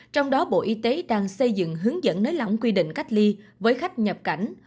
trong đó bộ y tế đang xây dựng hướng dẫn nới lỏng quy định cách ly với khách nhập cảnh